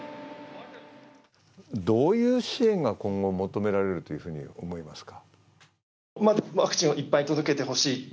どういう支援が今後求められるというふうに思いますか？